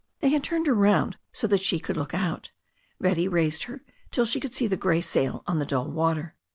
They had turned her round so that she could look out. Betty raised her till she could see the grey sail on the dull water.